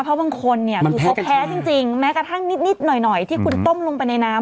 เพราะบางคนเนี่ยมันแพ้กัญชามันแพ้จริงจริงแม้กระทั่งนิดนิดหน่อยหน่อยที่คุณต้มลงไปในน้ำ